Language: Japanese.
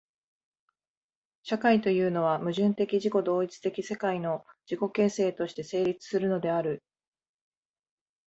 社会というのは、矛盾的自己同一的世界の自己形成として成立するのである。